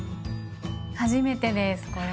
初めてですこれ。